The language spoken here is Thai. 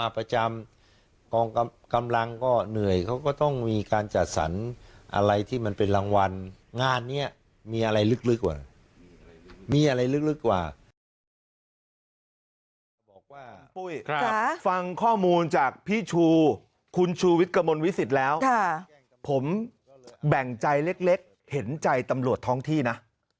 ฟังข้อมูลจากพี่ชูคุณชูวิทกรมวิสิตแล้วผมแบ่งใจเล็กเห็นใจตำรวจท้องที่นะ